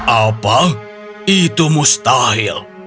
apa itu mustahil